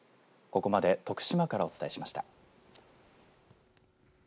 ここまで徳島からお伝えしました。